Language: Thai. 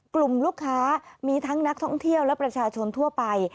กลุ่มลูกค้ามีทั้งนักท่องเที่ยวและประชาชนทั่วไป